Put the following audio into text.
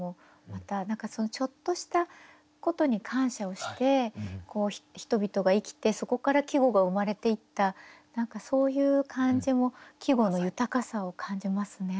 また何かそのちょっとしたことに感謝をして人々が生きてそこから季語が生まれていったそういう感じも季語の豊かさを感じますね。